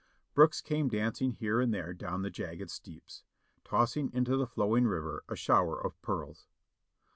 Brooks came danc ing here and there down the jagged steeps, tossing into the flow ing river a shower of pearls.